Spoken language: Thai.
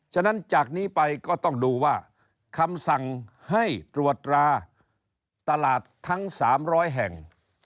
ฉะนั้นจากนี้ไปก็ต้องดูว่าคำสั่งให้ตรวจตราตลาดทั้ง๓๐๐แห่ง